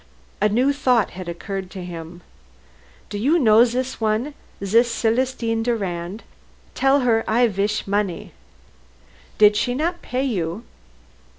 A new thought had occurred to him. "Do you know zis one zis Celestine Durand? Tell her I vish money " "Did she not pay you?"